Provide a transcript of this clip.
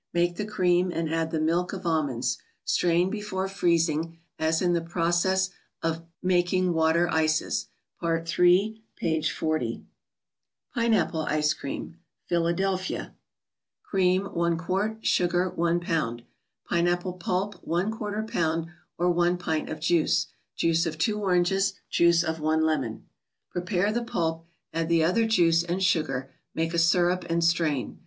Make the cream and add the " Milk of Almonds." Strain be¬ fore freezing, as in the " Process of Making Water Ices," Part III., p. 40. pineapple 3Ice*Cream pljia). Cream, 1 qt.; Sugar, 1 lb.; Pine apple pulp, one quarter lb.; or one pint of juice; juice of two Oranges ; juice of one Lemon. Prepare the pulp, add the other juice and sugar, make a syrup, and strain.